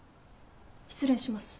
失礼します。